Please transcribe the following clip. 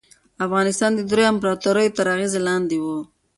افغانستان د دریو امپراطوریو تر اغېز لاندې و.